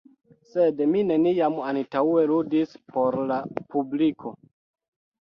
Sed mi neniam antaŭe ludis por la publiko.